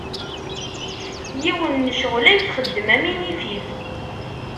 Yiwen n ccɣxel ay txeddem am inifif.